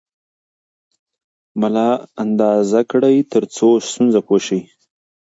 ملا اندازه کړئ ترڅو ستونزه پوه شئ.